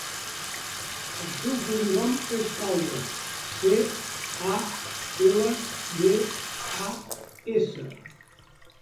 El seu cognom és Caldas: ce, a, ela, de, a, essa.